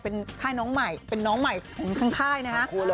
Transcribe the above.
เป็นค่ายน้องใหม่เป็นน้องใหม่ของทางค่ายนะฮะ